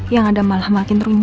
bagaimana kalau ambil istri